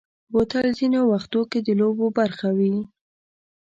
بوتل ځینې وختو کې د لوبو برخه وي.